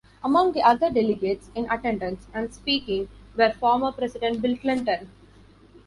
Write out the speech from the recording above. Among the other delegates in attendance and speaking were former President Bill Clinton.